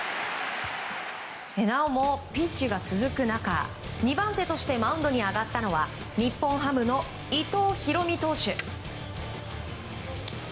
なおもピンチが続く中２番手としてマウンドに上がったのは日本ハムの伊藤大海投手。